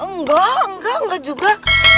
enggak enggak enggak juga